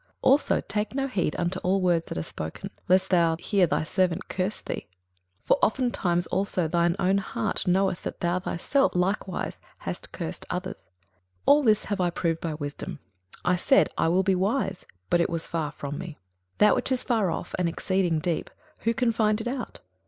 21:007:021 Also take no heed unto all words that are spoken; lest thou hear thy servant curse thee: 21:007:022 For oftentimes also thine own heart knoweth that thou thyself likewise hast cursed others. 21:007:023 All this have I proved by wisdom: I said, I will be wise; but it was far from me. 21:007:024 That which is far off, and exceeding deep, who can find it out?